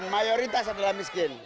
mayoritas adalah miskin